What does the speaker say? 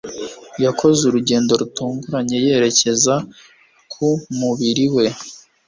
Yakoze urugendo rutunguranye yerekeza ku mubiri we